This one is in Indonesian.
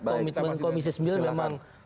komitmen komisi sembilan memang